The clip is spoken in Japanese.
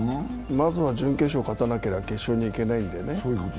まずは準決勝勝たなけりゃ決勝に行けないのでね。